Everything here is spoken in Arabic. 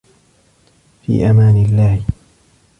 في أمان الله